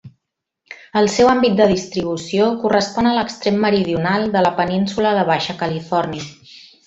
El seu àmbit de distribució correspon a l'extrem meridional de la península de Baixa Califòrnia.